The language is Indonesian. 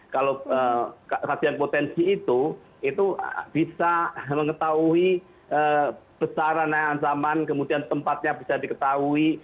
kalau kajian potensi itu itu bisa mengetahui besaran ancaman kemudian tempatnya bisa diketahui